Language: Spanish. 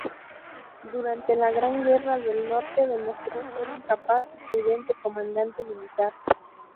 Durante la Gran Guerra del Norte demostró ser un capaz y prudente comandante militar.